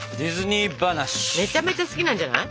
めちゃめちゃ好きなんじゃない？